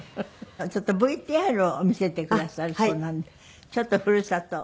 ちょっとＶＴＲを見せてくださるそうなのでちょっとふるさとを。